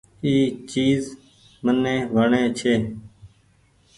اي چيز مني وڻي ڇي۔